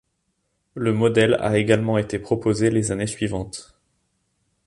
Le modèle a également été proposé les années suivantes.